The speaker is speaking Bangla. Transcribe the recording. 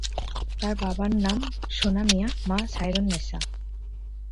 তাঁর বাবার নাম সোনা মিয়া, মা সাইরননেছা।